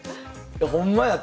ほんまや！